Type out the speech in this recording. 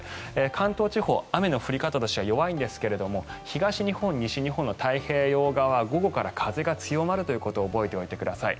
関東地方雨の降り方としては弱いんですが東日本、西日本の太平洋側は午後から風が強まることを覚えておいてください。